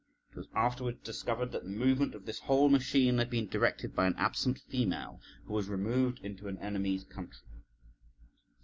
It was afterwards discovered that the movement of this whole machine had been directed by an absent female, who was removed into an enemy's country.